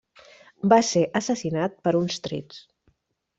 Va ser assassinat per uns trets.